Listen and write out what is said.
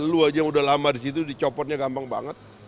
lu aja yang udah lama disitu dicopotnya gampang banget